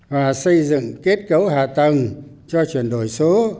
và xây dựng kết cấu hạ tầng cho chuyển đổi số